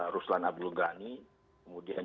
ruslan abdul ghani kemudian